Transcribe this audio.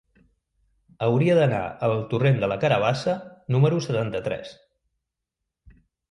Hauria d'anar al torrent de la Carabassa número setanta-tres.